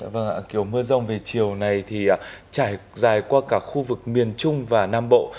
vâng ạ kiểu mưa rông về chiều này thì trải dài qua cả khu vực miền trung và nam bộ